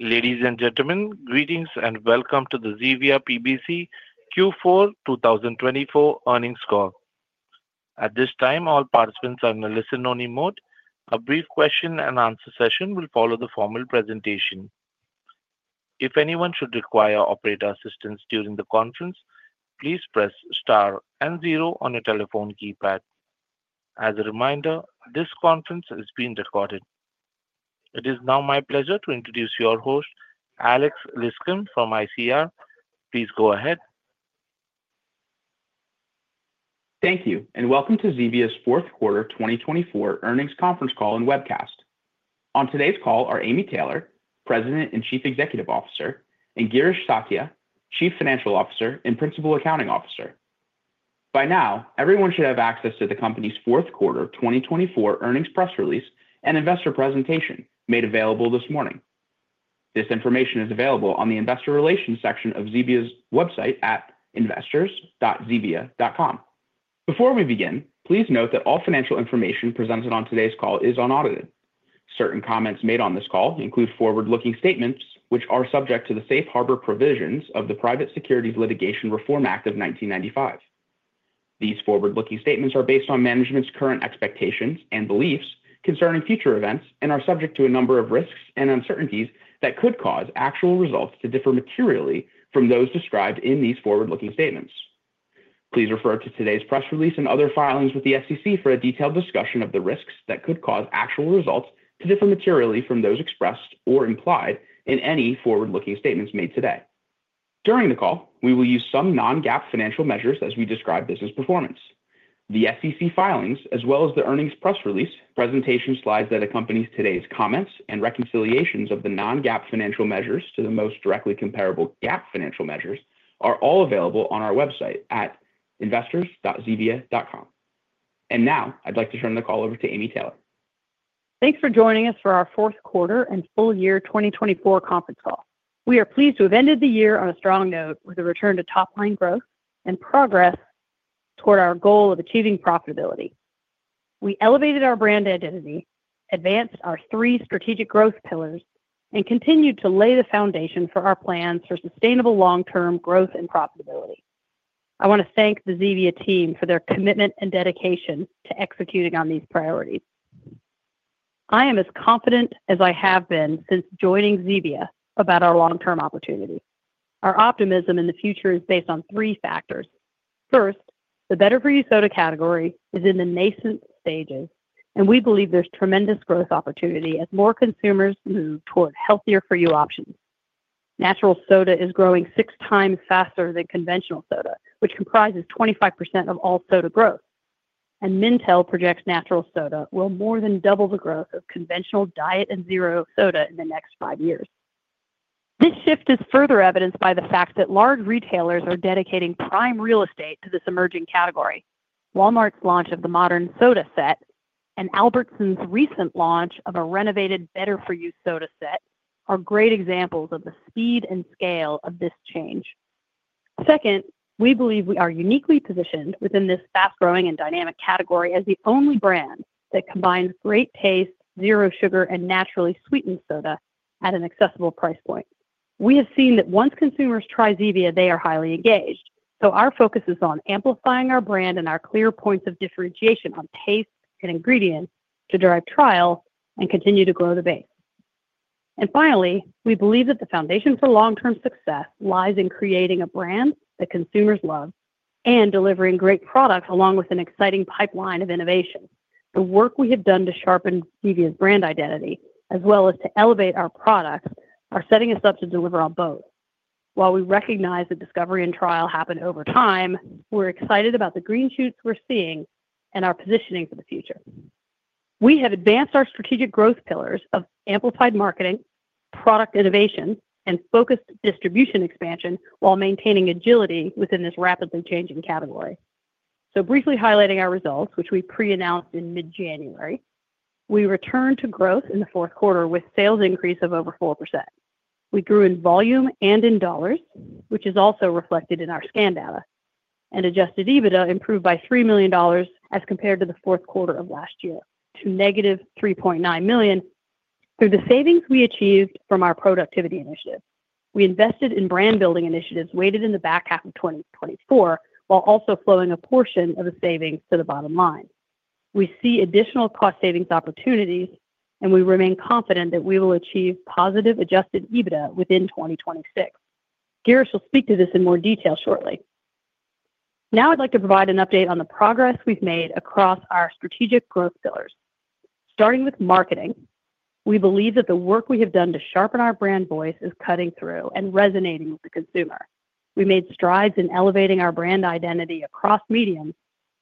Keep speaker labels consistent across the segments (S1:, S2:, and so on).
S1: Ladies and gentlemen, greetings and welcome to the Zevia PBC Q4 2024 earnings call. At this time, all participants are in a listen-only mode. A brief question-and-answer session will follow the formal presentation. If anyone should require operator assistance during the conference, please press star and zero on your telephone keypad. As a reminder, this conference is being recorded. It is now my pleasure to introduce your host, Alex Liskin, from ICR. Please go ahead.
S2: Thank you, and welcome to Zevia's fourth quarter 2024 earnings conference call and webcast. On today's call are Amy Taylor, President and Chief Executive Officer, and Girish Satya, Chief Financial Officer and Principal Accounting Officer. By now, everyone should have access to the company's fourth quarter 2024 earnings press release and investor presentation made available this morning. This information is available on the investor relations section of Zevia's website at investors.zevia.com. Before we begin, please note that all financial information presented on today's call is unaudited. Certain comments made on this call include forward-looking statements, which are subject to the safe harbor provisions of the Private Securities Litigation Reform Act of 1995. These forward-looking statements are based on management's current expectations and beliefs concerning future events and are subject to a number of risks and uncertainties that could cause actual results to differ materially from those described in these forward-looking statements. Please refer to today's press release and other filings with the SEC for a detailed discussion of the risks that could cause actual results to differ materially from those expressed or implied in any forward-looking statements made today. During the call, we will use some non-GAAP financial measures as we describe business performance. The SEC filings, as well as the earnings press release presentation slides that accompany today's comments and reconciliations of the non-GAAP financial measures to the most directly comparable GAAP financial measures, are all available on our website at investors.zevia.com. I would like to turn the call over to Amy Taylor.
S3: Thanks for joining us for our fourth quarter and full year 2024 conference call. We are pleased to have ended the year on a strong note with a return to top-line growth and progress toward our goal of achieving profitability. We elevated our brand identity, advanced our three strategic growth pillars, and continued to lay the foundation for our plans for sustainable long-term growth and profitability. I want to thank the Zevia team for their commitment and dedication to executing on these priorities. I am as confident as I have been since joining Zevia about our long-term opportunity. Our optimism in the future is based on three factors. First, the Better For You Soda category is in the nascent stages, and we believe there's tremendous growth opportunity as more consumers move toward healthier-for-you options. Natural soda is growing six times faster than conventional soda, which comprises 25% of all soda growth. Mintel projects natural soda will more than double the growth of conventional diet and zero soda in the next five years. This shift is further evidenced by the fact that large retailers are dedicating prime real estate to this emerging category. Walmart's launch of the Modern Soda set and Albertsons' recent launch of a renovated Better For You Soda set are great examples of the speed and scale of this change. Second, we believe we are uniquely positioned within this fast-growing and dynamic category as the only brand that combines great taste, zero sugar, and naturally sweetened soda at an accessible price point. We have seen that once consumers try Zevia, they are highly engaged. Our focus is on amplifying our brand and our clear points of differentiation on taste and ingredients to drive trials and continue to grow the base. Finally, we believe that the foundation for long-term success lies in creating a brand that consumers love and delivering great products along with an exciting pipeline of innovation. The work we have done to sharpen Zevia's brand identity, as well as to elevate our products, is setting us up to deliver on both. While we recognize that discovery and trial happen over time, we're excited about the green shoots we're seeing and our positioning for the future. We have advanced our strategic growth pillars of amplified marketing, product innovation, and focused distribution expansion while maintaining agility within this rapidly changing category. Briefly highlighting our results, which we pre-announced in mid-January, we returned to growth in the fourth quarter with sales increase of over 4%. We grew in volume and in dollars, which is also reflected in our scan data, and adjusted EBITDA improved by $3 million as compared to the fourth quarter of last year to negative $3.9 million through the savings we achieved from our productivity initiative. We invested in brand-building initiatives weighted in the back half of 2024 while also flowing a portion of the savings to the bottom line. We see additional cost savings opportunities, and we remain confident that we will achieve positive adjusted EBITDA within 2026. Girish will speak to this in more detail shortly. Now, I'd like to provide an update on the progress we've made across our strategic growth pillars. Starting with marketing, we believe that the work we have done to sharpen our brand voice is cutting through and resonating with the consumer. We made strides in elevating our brand identity across mediums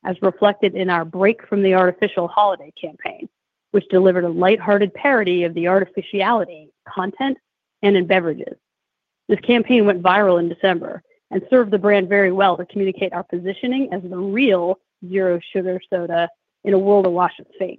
S3: as reflected in our Break From The Artificial holiday campaign, which delivered a lighthearted parody of the artificiality content and in beverages. This campaign went viral in December and served the brand very well to communicate our positioning as the real zero sugar soda in a world of health-washing.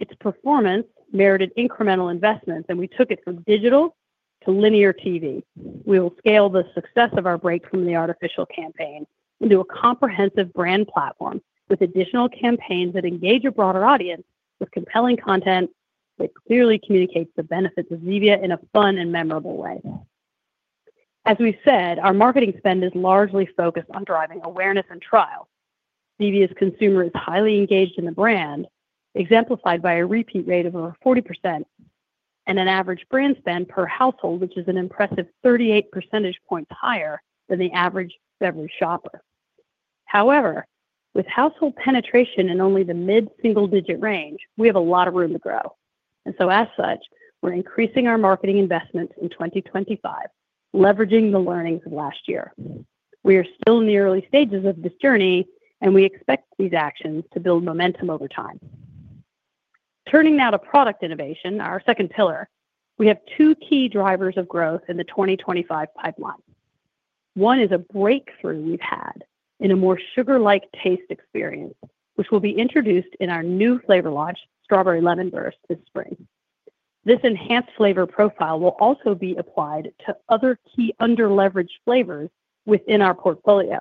S3: Its performance merited incremental investments, and we took it from digital to linear TV. We will scale the success of our Break From The Artificial campaign into a comprehensive brand platform with additional campaigns that engage a broader audience with compelling content that clearly communicates the benefits of Zevia in a fun and memorable way. As we said, our marketing spend is largely focused on driving awareness and trial. Zevia's consumer is highly engaged in the brand, exemplified by a repeat rate of over 40% and an average brand spend per household, which is an impressive 38 percentage points higher than the average beverage shopper. However, with household penetration in only the mid-single-digit range, we have a lot of room to grow. As such, we're increasing our marketing investments in 2025, leveraging the learnings of last year. We are still in the early stages of this journey, and we expect these actions to build momentum over time. Turning now to product innovation, our second pillar, we have two key drivers of growth in the 2025 pipeline. One is a breakthrough we've had in a more sugar-like taste experience, which will be introduced in our new flavor launch, Strawberry Lemon Burst, this spring. This enhanced flavor profile will also be applied to other key under-leveraged flavors within our portfolio.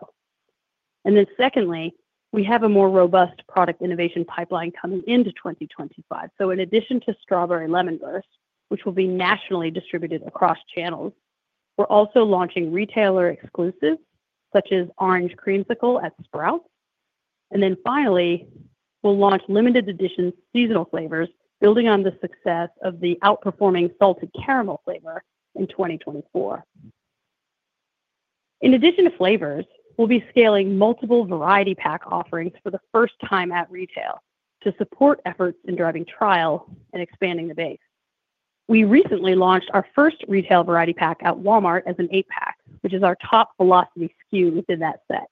S3: Secondly, we have a more robust product innovation pipeline coming into 2025. In addition to Strawberry Lemon Burst, which will be nationally distributed across channels, we are also launching retailer exclusives such as Orange Creamsicle at Sprouts. Finally, we will launch limited edition seasonal flavors, building on the success of the outperforming Salted Caramel flavor in 2024. In addition to flavors, we will be scaling multiple variety pack offerings for the first time at retail to support efforts in driving trials and expanding the base. We recently launched our first retail variety pack at Walmart as an eight-pack, which is our top velocity SKU within that set.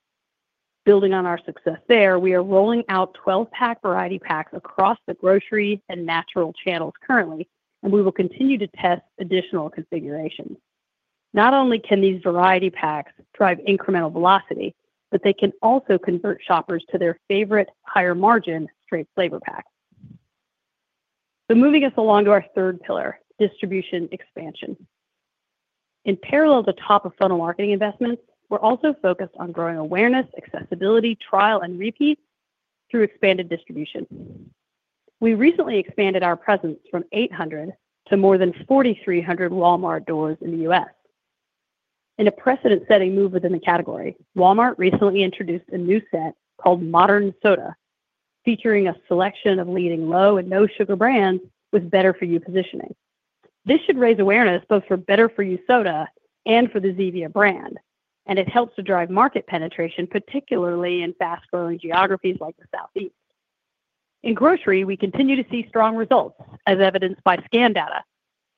S3: Building on our success there, we are rolling out 12-pack variety packs across the grocery and natural channels currently, and we will continue to test additional configurations. Not only can these variety packs drive incremental velocity, but they can also convert shoppers to their favorite higher-margin straight flavor packs. Moving us along to our third pillar, distribution expansion. In parallel to top-of-funnel marketing investments, we're also focused on growing awareness, accessibility, trial, and repeat through expanded distribution. We recently expanded our presence from 800 to more than 4,300 Walmart stores in the US. In a precedent-setting move within the category, Walmart recently introduced a new set called Modern Soda, featuring a selection of leading low and no-sugar brands with Better For You positioning. This should raise awareness both for Better For You Soda and for the Zevia brand, and it helps to drive market penetration, particularly in fast-growing geographies like the Southeast. In grocery, we continue to see strong results, as evidenced by scan data,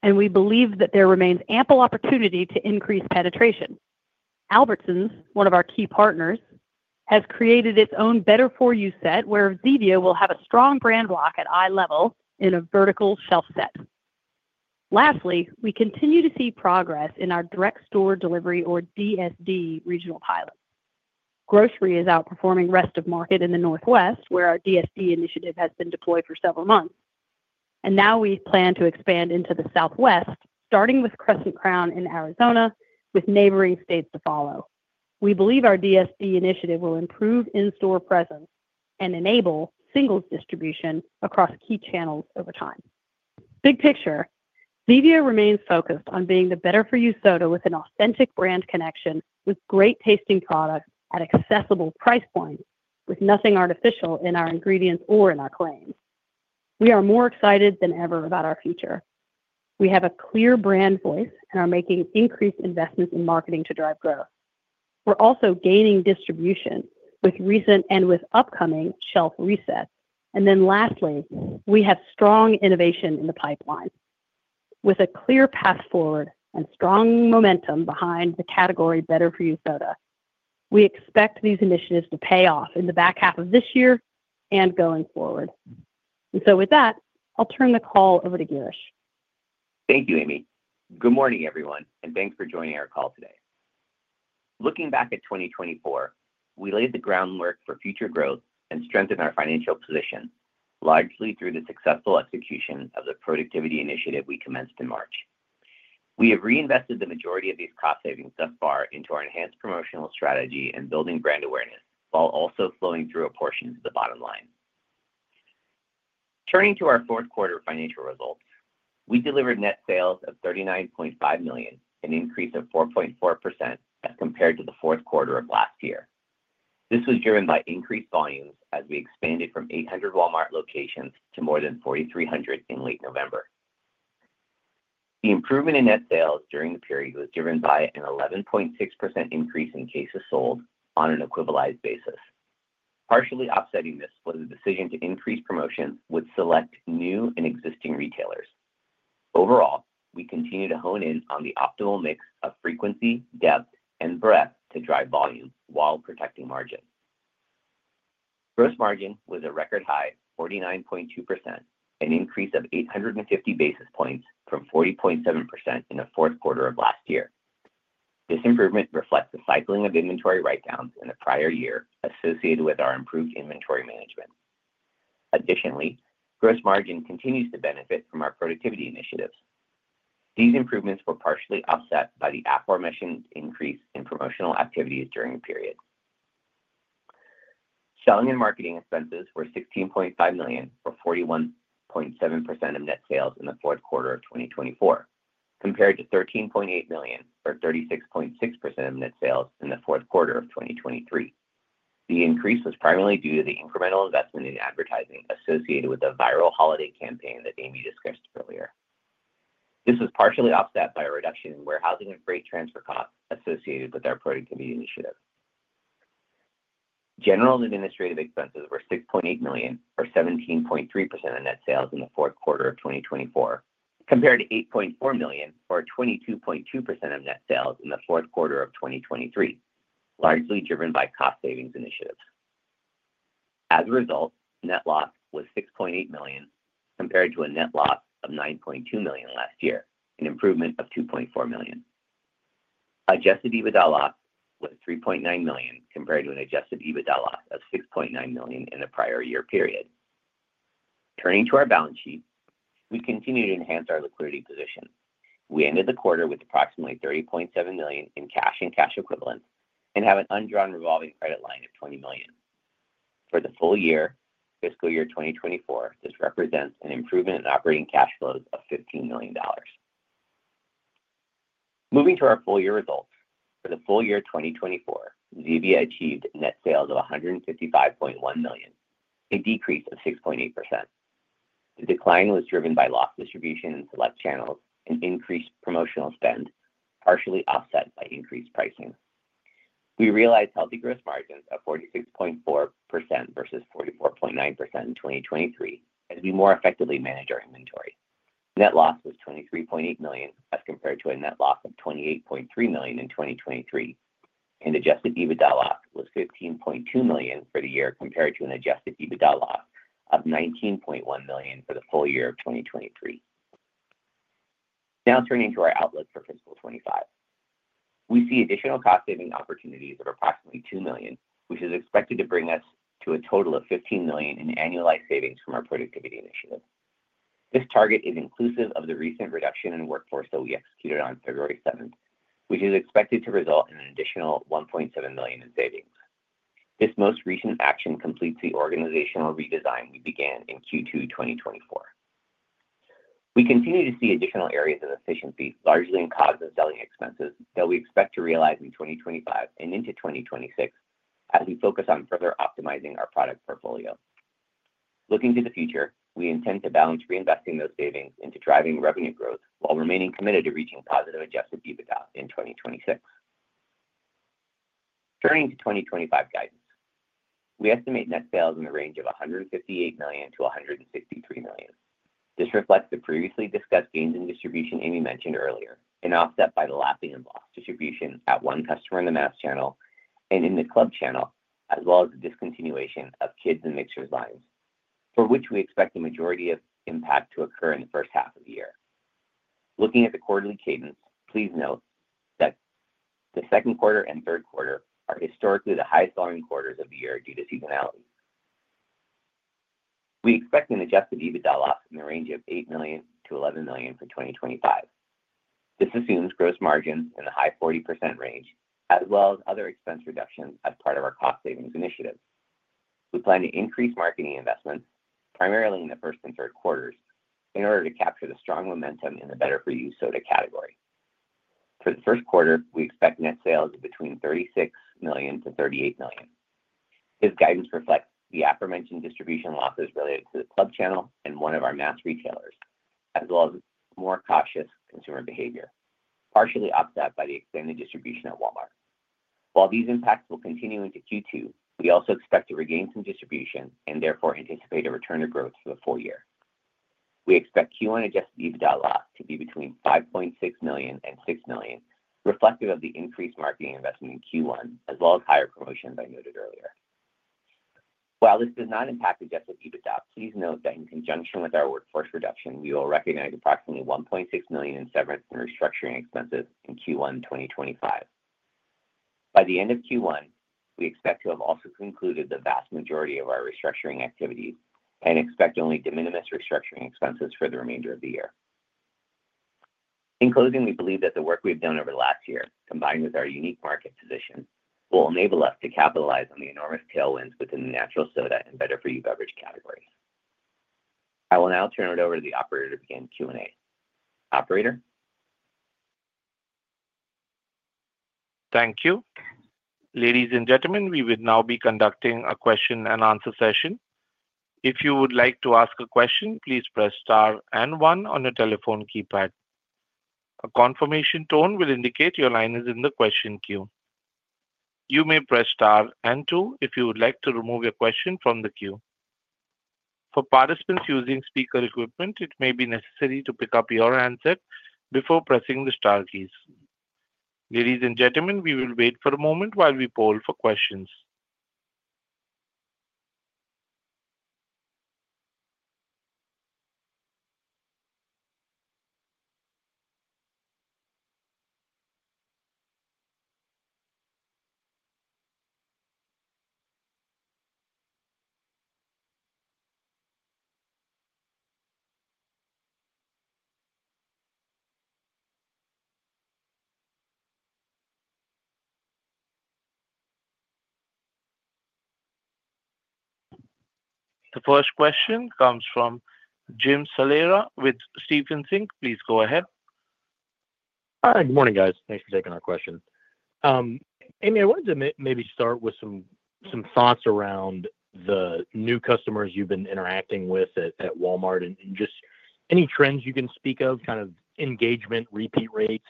S3: and we believe that there remains ample opportunity to increase penetration. Albertsons, one of our key partners, has created its own Better For You set, where Zevia will have a strong brand lock at eye level in a vertical shelf set. Lastly, we continue to see progress in our direct store delivery, or DSD, regional pilot. Grocery is outperforming the rest of the market in the Northwest, where our DSD initiative has been deployed for several months. We plan to expand into the Southwest, starting with Crescent Crown in Arizona, with neighboring states to follow. We believe our DSD initiative will improve in-store presence and enable single distribution across key channels over time. Big picture, Zevia remains focused on being the Better For You Soda with an authentic brand connection with great tasting products at accessible price points, with nothing artificial in our ingredients or in our claims. We are more excited than ever about our future. We have a clear brand voice and are making increased investments in marketing to drive growth. We are also gaining distribution with recent and with upcoming shelf resets. Lastly, we have strong innovation in the pipeline. With a clear path forward and strong momentum behind the category Better For You Soda, we expect these initiatives to pay off in the back half of this year and going forward. With that, I'll turn the call over to Girish.
S4: Thank you, Amy. Good morning, everyone, and thanks for joining our call today. Looking back at 2024, we laid the groundwork for future growth and strengthened our financial position, largely through the successful execution of the productivity initiative we commenced in March. We have reinvested the majority of these cost savings thus far into our enhanced promotional strategy and building brand awareness, while also flowing through a portion to the bottom line. Turning to our fourth quarter financial results, we delivered net sales of $39.5 million, an increase of 4.4% as compared to the fourth quarter of last year. This was driven by increased volumes as we expanded from 800 Walmart locations to more than 4,300 in late November. The improvement in net sales during the period was driven by an 11.6% increase in cases sold on an equivalized basis. Partially offsetting this was the decision to increase promotions with select new and existing retailers. Overall, we continue to hone in on the optimal mix of frequency, depth, and breadth to drive volume while protecting margin. Gross margin was a record high, 49.2%, an increase of 850 basis points from 40.7% in the fourth quarter of last year. This improvement reflects the cycling of inventory write-downs in the prior year associated with our improved inventory management. Additionally, gross margin continues to benefit from our productivity initiatives. These improvements were partially offset by the aforementioned increase in promotional activities during the period. Selling and marketing expenses were $16.5 million for 41.7% of net sales in the fourth quarter of 2024, compared to $13.8 million for 36.6% of net sales in the fourth quarter of 2023. The increase was primarily due to the incremental investment in advertising associated with the viral holiday campaign that Amy discussed earlier. This was partially offset by a reduction in warehousing and freight transfer costs associated with our productivity initiative. General and administrative expenses were $6.8 million or 17.3% of net sales in the fourth quarter of 2024, compared to $8.4 million or 22.2% of net sales in the fourth quarter of 2023, largely driven by cost savings initiatives. As a result, net loss was $6.8 million compared to a net loss of $9.2 million last year, an improvement of $2.4 million. Adjusted EBITDA loss was $3.9 million compared to an adjusted EBITDA loss of $6.9 million in the prior year period. Turning to our balance sheet, we continue to enhance our liquidity position. We ended the quarter with approximately $30.7 million in cash and cash equivalents and have an undrawn revolving credit line of $20 million. For the full year, Fiscal year 2024, this represents an improvement in operating cash flows of $15 million. Moving to our full year results, for the full year 2024, Zevia achieved net sales of $155.1 million, a decrease of 6.8%. The decline was driven by loss distribution in select channels and increased promotional spend, partially offset by increased pricing. We realized healthy gross margins of 46.4% versus 44.9% in 2023 as we more effectively manage our inventory. Net loss was $23.8 million as compared to a net loss of $28.3 million in 2023, and adjusted EBITDA loss was $15.2 million for the year compared to an adjusted EBITDA loss of $19.1 million for the full year of 2023. Now turning to our outlook for Fiscal 2025, we see additional cost saving opportunities of approximately $2 million, which is expected to bring us to a total of $15 million in annualized savings from our productivity initiative. This target is inclusive of the recent reduction in workforce that we executed on February 7, which is expected to result in an additional $1.7 million in savings. This most recent action completes the organizational redesign we began in Q2 2024. We continue to see additional areas of efficiency, largely in cost of selling expenses that we expect to realize in 2025 and into 2026 as we focus on further optimizing our product portfolio. Looking to the future, we intend to balance reinvesting those savings into driving revenue growth while remaining committed to reaching positive adjusted EBITDA in 2026. Turning to 2025 guidance, we estimate net sales in the range of $158 million-$163 million. This reflects the previously discussed gains in distribution Amy mentioned earlier, and offset by the lapping and lost distribution at one customer in the mass channel and in the club channel, as well as the discontinuation of Kidz and Mixers lines, for which we expect the majority of impact to occur in the first half of the year. Looking at the quarterly cadence, please note that the second quarter and third quarter are historically the highest-selling quarters of the year due to seasonality. We expect an adjusted EBITDA loss in the range of $8 million-$11 million for 2025. This assumes gross margins in the high 40% range, as well as other expense reductions as part of our cost savings initiative. We plan to increase marketing investments, primarily in the first and third quarters, in order to capture the strong momentum in the Better For You Soda category. For the first quarter, we expect net sales of between $36 million and $38 million. This guidance reflects the aforementioned distribution losses related to the club channel and one of our mass retailers, as well as more cautious consumer behavior, partially offset by the expanded distribution at Walmart. While these impacts will continue into Q2, we also expect to regain some distribution and therefore anticipate a return to growth for the full year. We expect Q1 adjusted EBITDA loss to be between $5.6 million and $6 million, reflective of the increased marketing investment in Q1, as well as higher promotions I noted earlier. While this does not impact adjusted EBITDA, please note that in conjunction with our workforce reduction, we will recognize approximately $1.6 million in severance and restructuring expenses in Q1 2025. By the end of Q1, we expect to have also concluded the vast majority of our restructuring activities and expect only de minimis restructuring expenses for the remainder of the year. In closing, we believe that the work we've done over the last year, combined with our unique market position, will enable us to capitalize on the enormous tailwinds within the natural soda and Better For You beverage categories. I will now turn it over to the operator to begin Q&A. Operator.
S1: Thank you. Ladies and gentlemen, we will now be conducting a question and answer session. If you would like to ask a question, please press Star and 1 on your telephone keypad. A confirmation tone will indicate your line is in the question queue. You may press Star and 2 if you would like to remove your question from the queue. For participants using speaker equipment, it may be necessary to pick up your answer before pressing the Star keys. Ladies and gentlemen, we will wait for a moment while we poll for questions. The first question comes from Jim Salera with Stephens Inc. Please go ahead.
S5: Hi, good morning, guys. Thanks for taking our question. Amy, I wanted to maybe start with some thoughts around the new customers you've been interacting with at Walmart and just any trends you can speak of, kind of engagement, repeat rates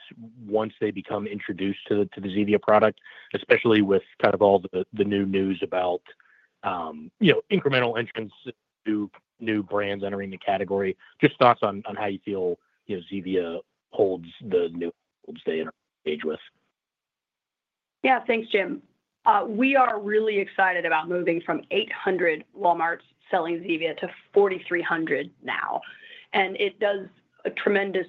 S5: once they become introduced to the Zevia product, especially with kind of all the new news about incremental entrance to new brands entering the category. Just thoughts on how you feel Zevia holds the new customers they engage with.
S3: Yeah, thanks, Jim. We are really excited about moving from 800 Walmarts selling Zevia to 4,300 now. It does a tremendous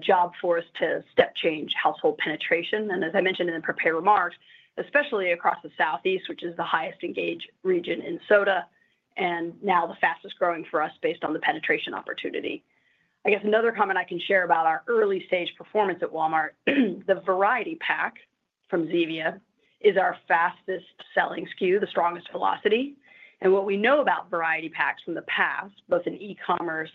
S3: job for us to step change household penetration. As I mentioned in the prepared remarks, especially across the Southeast, which is the highest engaged region in soda, and now the fastest growing for us based on the penetration opportunity. I guess another comment I can share about our early-stage performance at Walmart, the variety pack from Zevia is our fastest selling SKU, the strongest velocity. What we know about variety packs from the past, both in e-commerce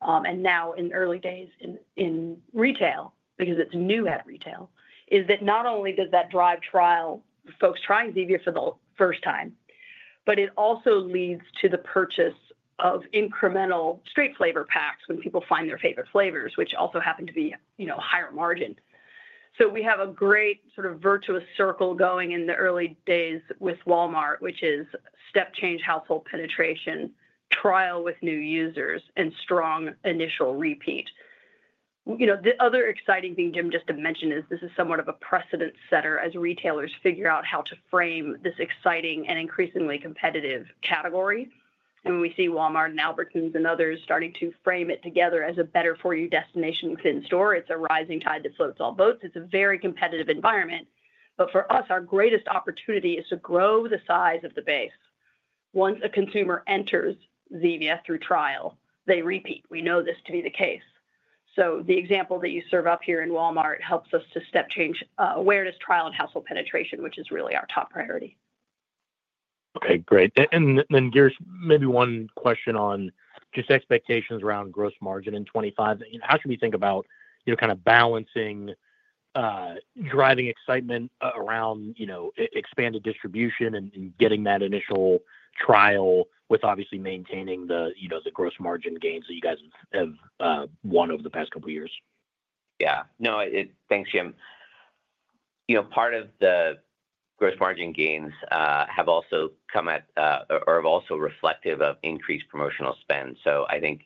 S3: and now in the early days in retail, because it is new at retail, is that not only does that drive trial, folks trying Zevia for the first time, but it also leads to the purchase of incremental straight flavor packs when people find their favorite flavors, which also happen to be higher margin. We have a great sort of virtuous circle going in the early days with Walmart, which is step change household penetration, trial with new users, and strong initial repeat. The other exciting thing, Jim, just to mention is this is somewhat of a precedent setter as retailers figure out how to frame this exciting and increasingly competitive category. When we see Walmart and Albertsons and others starting to frame it together as a Better For You destination within store, it's a rising tide that floats all boats. It's a very competitive environment. For us, our greatest opportunity is to grow the size of the base. Once a consumer enters Zevia through trial, they repeat. We know this to be the case. The example that you serve up here in Walmart helps us to step change awareness, trial, and household penetration, which is really our top priority.
S5: Okay, great. Girish, maybe one question on just expectations around gross margin in 2025. How should we think about kind of balancing driving excitement around expanded distribution and getting that initial trial with obviously maintaining the gross margin gains that you guys have won over the past couple of years?
S4: Yeah. No, thanks, Jim. Part of the gross margin gains have also come at or are also reflective of increased promotional spend. I think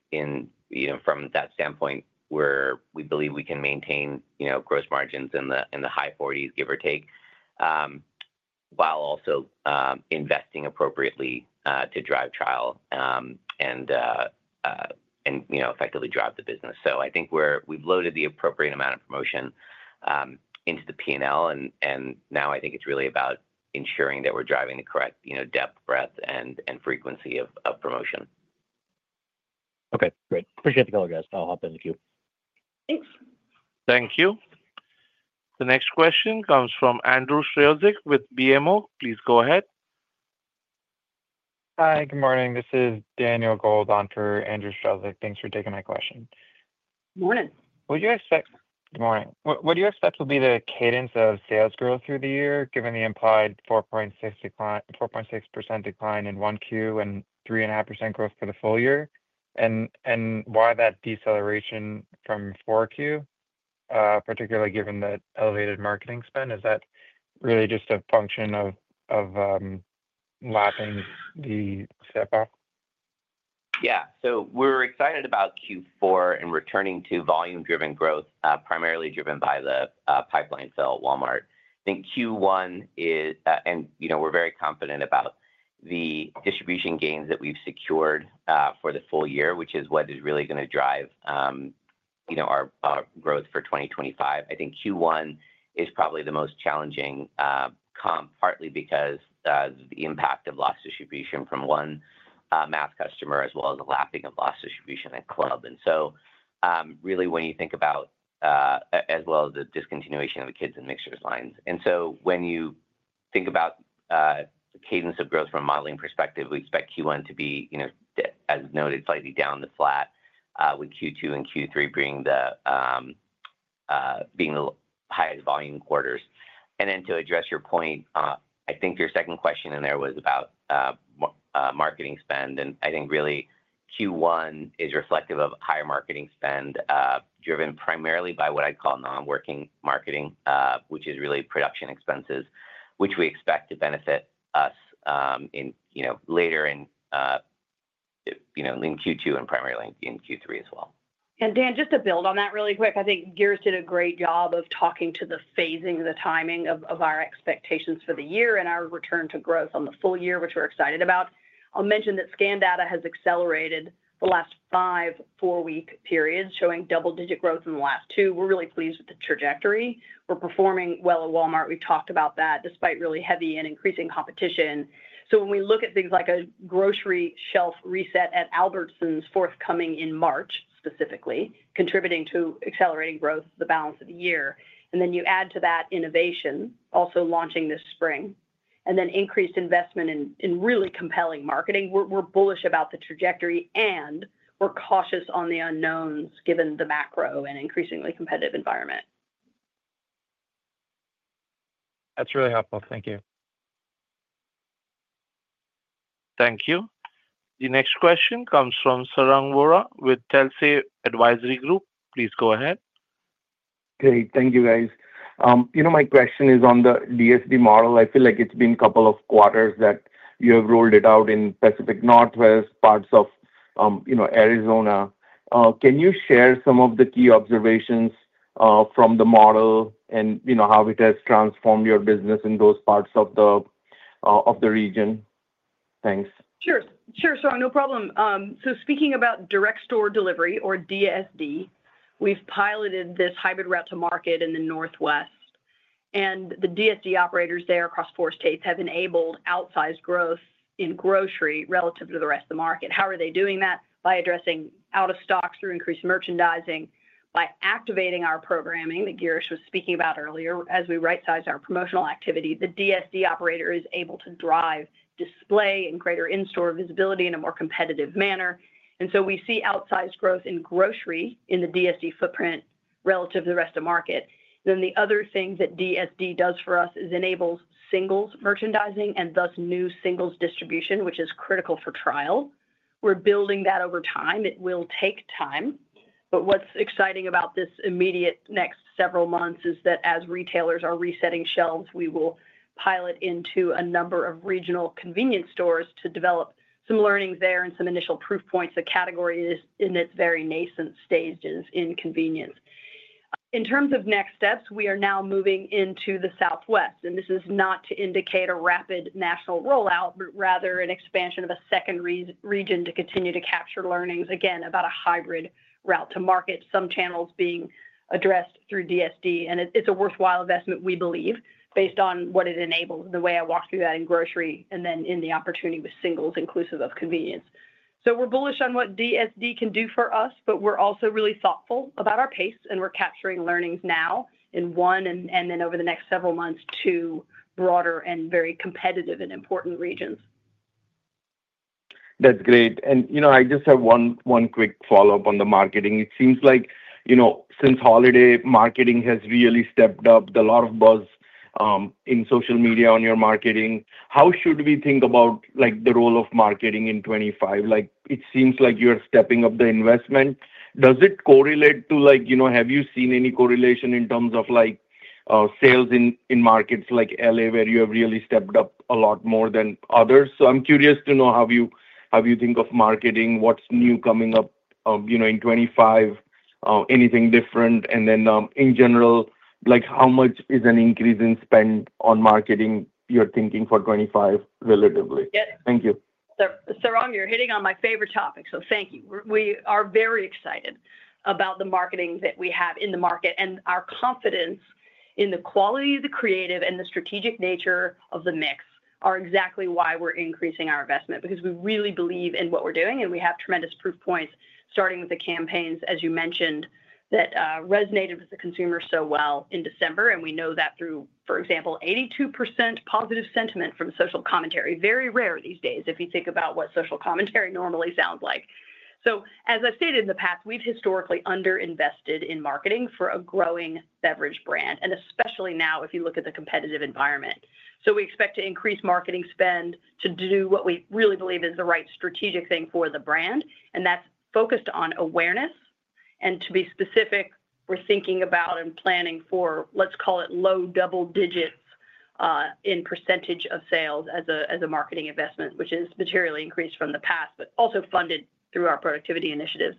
S4: from that standpoint, we believe we can maintain gross margins in the high 40s, give or take, while also investing appropriately to drive trial and effectively drive the business. I think we've loaded the appropriate amount of promotion into the P&L. Now I think it's really about ensuring that we're driving the correct depth, breadth, and frequency of promotion.
S5: Okay, great. Appreciate the call, guys. I'll hop in the queue.
S3: Thanks.
S1: Thank you. The next question comes from Andrew Strzelczyk with BMO. Please go ahead.
S6: Hi, good morning. This is Daniel Gold on for Andrew Strelzik. Thanks for taking my question.
S3: Good morning.
S6: What do you expect? Good morning. What do you expect will be the cadence of sales growth through the year, given the implied 4.6% decline in one Q and 3.5% growth for the full year? Why that deceleration from four Q, particularly given that elevated marketing spend? Is that really just a function of lapping the step-off?
S4: Yeah. So we're excited about Q4 and returning to volume-driven growth, primarily driven by the pipeline sale at Walmart. I think Q1 is, and we're very confident about the distribution gains that we've secured for the full year, which is what is really going to drive our growth for 2025. I think Q1 is probably the most challenging comp, partly because of the impact of loss distribution from one mass customer, as well as the lapping of loss distribution at club. When you think about, as well as the discontinuation of the Kidz and Mixers lines. When you think about the cadence of growth from a modeling perspective, we expect Q1 to be, as noted, slightly down to flat, with Q2 and Q3 being the highest volume quarters. To address your point, I think your second question in there was about marketing spend. I think really Q1 is reflective of higher marketing spend, driven primarily by what I'd call non-working marketing, which is really production expenses, which we expect to benefit us later in Q2 and primarily in Q3 as well.
S3: Dan, just to build on that really quick, I think Girish did a great job of talking to the phasing of the timing of our expectations for the year and our return to growth on the full year, which we're excited about. I'll mention that scan data has accelerated the last five four-week periods, showing double-digit growth in the last two. We're really pleased with the trajectory. We're performing well at Walmart. We talked about that despite really heavy and increasing competition. When we look at things like a grocery shelf reset at Albertsons forthcoming in March specifically, contributing to accelerating growth, the balance of the year. You add to that innovation, also launching this spring, and then increased investment in really compelling marketing. We're bullish about the trajectory, and we're cautious on the unknowns given the macro and increasingly competitive environment.
S6: That's really helpful. Thank you.
S1: Thank you. The next question comes from Sarang Vora with Telsey Advisory Group. Please go ahead.
S7: Great. Thank you, guys. My question is on the DSD model. I feel like it's been a couple of quarters that you have rolled it out in Pacific Northwest, parts of Arizona. Can you share some of the key observations from the model and how it has transformed your business in those parts of the region? Thanks.
S3: Sure. Sure. No problem. Speaking about direct store delivery or DSD, we've piloted this hybrid route to market in the Northwest. The DSD operators there across four states have enabled outsized growth in grocery relative to the rest of the market. How are they doing that? By addressing out-of-stock through increased merchandising, by activating our programming that Girish was speaking about earlier, as we right-size our promotional activity, the DSD operator is able to drive display and greater in-store visibility in a more competitive manner. We see outsized growth in grocery in the DSD footprint relative to the rest of the market. The other thing that DSD does for us is enables singles merchandising and thus new singles distribution, which is critical for trial. We're building that over time. It will take time. What is exciting about this immediate next several months is that as retailers are resetting shelves, we will pilot into a number of regional convenience stores to develop some learnings there and some initial proof points. The category is in its very nascent stages in convenience. In terms of next steps, we are now moving into the Southwest. This is not to indicate a rapid national rollout, but rather an expansion of a second region to continue to capture learnings, again, about a hybrid route to market, some channels being addressed through DSD. It is a worthwhile investment, we believe, based on what it enables, the way I walked through that in grocery and then in the opportunity with singles inclusive of convenience. We are bullish on what DSD can do for us, but we are also really thoughtful about our pace. We're capturing learnings now in one and then over the next several months to broader and very competitive and important regions.
S7: That's great. I just have one quick follow-up on the marketing. It seems like since holiday, marketing has really stepped up. There's a lot of buzz in social media on your marketing. How should we think about the role of marketing in 2025? It seems like you're stepping up the investment. Does it correlate to have you seen any correlation in terms of sales in markets like Los Angeles, where you have really stepped up a lot more than others? I'm curious to know how you think of marketing, what's new coming up in 2025, anything different? In general, how much is an increase in spend on marketing you're thinking for 2025 relatively?
S3: Yep.
S7: Thank you.
S3: Sarang, you're hitting on my favorite topic, so thank you. We are very excited about the marketing that we have in the market. Our confidence in the quality of the creative and the strategic nature of the mix are exactly why we're increasing our investment because we really believe in what we're doing. We have tremendous proof points, starting with the campaigns, as you mentioned, that resonated with the consumer so well in December. We know that through, for example, 82% positive sentiment from social commentary, very rare these days if you think about what social commentary normally sounds like. As I've stated in the past, we've historically underinvested in marketing for a growing beverage brand, and especially now if you look at the competitive environment. We expect to increase marketing spend to do what we really believe is the right strategic thing for the brand. That's focused on awareness. To be specific, we're thinking about and planning for, let's call it, low double digits in % of sales as a marketing investment, which is materially increased from the past, but also funded through our productivity initiatives.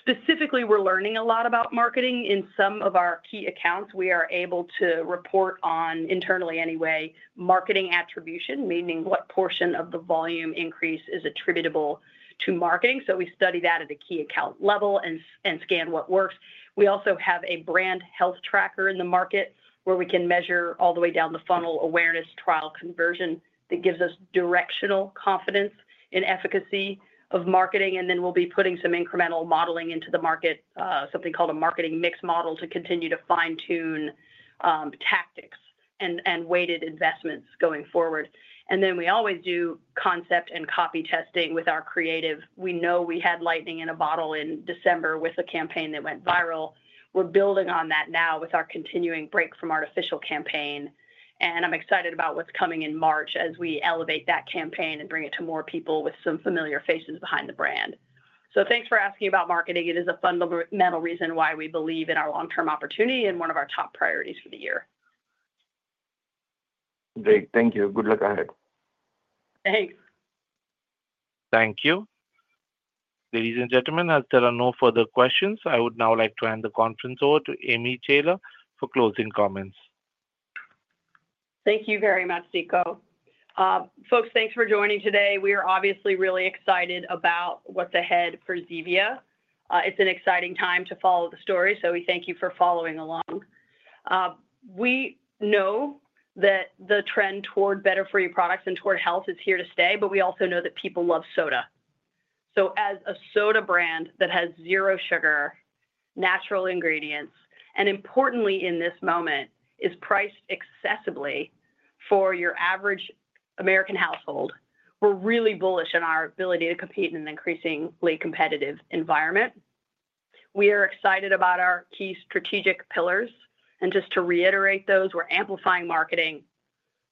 S3: Specifically, we're learning a lot about marketing. In some of our key accounts, we are able to report on internally anyway, marketing attribution, meaning what portion of the volume increase is attributable to marketing. We study that at a key account level and scan what works. We also have a brand health tracker in the market where we can measure all the way down the funnel awareness, trial, conversion that gives us directional confidence in efficacy of marketing. We will be putting some incremental modeling into the market, something called a marketing mix model to continue to fine-tune tactics and weighted investments going forward. We always do concept and copy testing with our creative. We know we had lightning in a bottle in December with a campaign that went viral. We are building on that now with our continuing break from artificial campaign. I am excited about what is coming in March as we elevate that campaign and bring it to more people with some familiar faces behind the brand. Thanks for asking about marketing. It is a fundamental reason why we believe in our long-term opportunity and one of our top priorities for the year.
S7: Great. Thank you. Good luck ahead.
S3: Thanks.
S1: Thank you. Ladies and gentlemen, as there are no further questions, I would now like to hand the conference over to Amy Taylor for closing comments.
S3: Thank you very much, Zeko. Folks, thanks for joining today. We are obviously really excited about what's ahead for Zevia. It's an exciting time to follow the story, so we thank you for following along. We know that the trend toward better free products and toward health is here to stay, but we also know that people love soda. As a soda brand that has zero sugar, natural ingredients, and importantly in this moment, is priced accessibly for your average American household, we're really bullish on our ability to compete in an increasingly competitive environment. We are excited about our key strategic pillars. Just to reiterate those, we're amplifying marketing.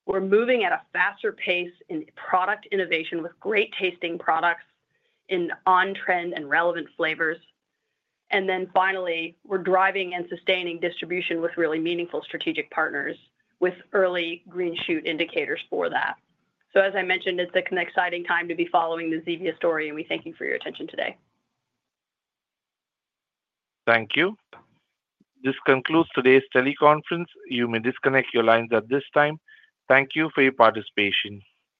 S3: We're moving at a faster pace in product innovation with great tasting products in on-trend and relevant flavors. Finally, we're driving and sustaining distribution with really meaningful strategic partners with early green shoot indicators for that. As I mentioned, it's an exciting time to be following the Zevia story, and we thank you for your attention today.
S1: Thank you. This concludes today's teleconference. You may disconnect your lines at this time. Thank you for your participation.